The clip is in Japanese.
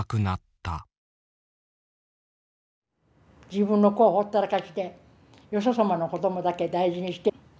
自分の子をほったらかしてよそ様の子供だけ大事にして。